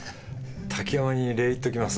滝山に礼言っときます。